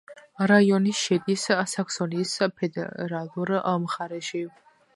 რაიონი შედის საქსონიის ფედერალურ მხარეში.